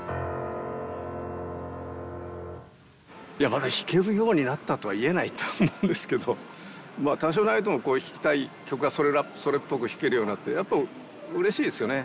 まだ弾けるようになったとは言えないと思うんですけど多少なりとも弾きたい曲がそれっぽく弾けるようになってやっぱうれしいですよね。